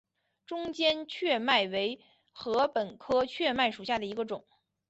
中间雀麦为禾本科雀麦属下的一个种。